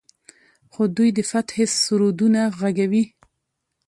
خو دوی د فتحې سرودونه غږوي.